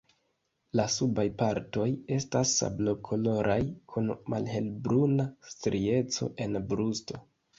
La subaj partoj estas sablokoloraj kun malhelbruna strieco en brusto.